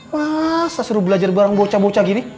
masa suruh belajar bareng bocah bocah gini